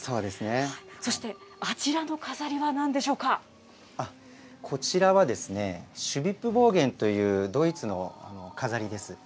そして、あちらの飾りはなんこちらはですね、シュビップボーゲンというドイツの飾りです。